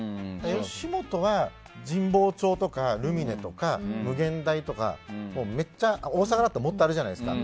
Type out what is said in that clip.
吉本は神保町とかルミネとか無限大とかめっちゃ、大阪だともっとあるじゃないですか。